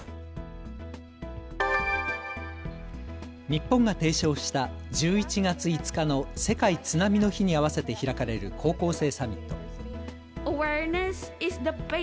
日本が提唱した１１月５日の世界津波の日に合わせて開かれる高校生サミット。